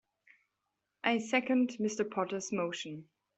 I second Mr. Potter's motion.